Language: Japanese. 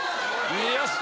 よし！